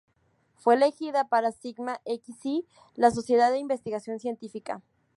Fue elegida para Sigma Xi, la Sociedad de Investigación Científica.